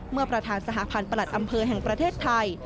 ประธานสหพันธ์ประหลัดอำเภอแห่งประเทศไทย